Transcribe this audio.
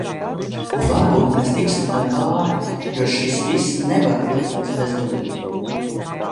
Un varbūt mēs tiksim tam pāri, jo šis viss nevar vilkties bezgalīgi.